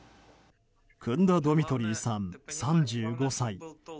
クンダ・ドミトリーさん３５歳。